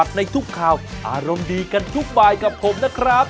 บ๊ายบายครับผมนะครับ